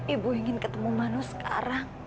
ibu ingin ketemu manusia sekarang